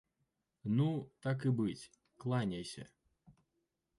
Ну, так і быць, кланяйся.